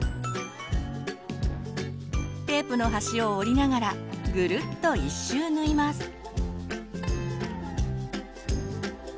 テープの端を折りながらぐるっと１周縫います。